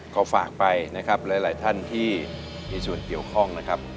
ก็ฝากไปนะครับหลายท่านที่มีส่วนเกี่ยวข้องนะครับ